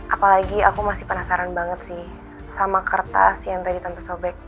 apalagi aku masih penasaran banget sih sama kertas yang tadi tante sobek